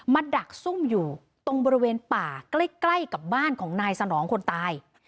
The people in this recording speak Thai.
ดักซุ่มอยู่ตรงบริเวณป่าใกล้กับบ้านของนายสนองคนตาย